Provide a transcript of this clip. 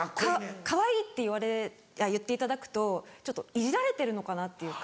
かわいいって言っていただくとちょっといじられてるのかなっていうか。